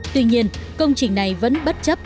tuy nhiên công trình này vẫn bất chấp